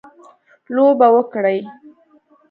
لوبه وکړي.